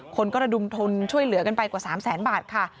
คนก็ระดุมทุนช่วยเหลือกันไปกว่า๓แสนบาทค่ะ